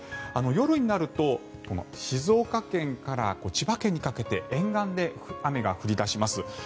夜になると静岡県から千葉県にかけて沿岸で雨が降り出します。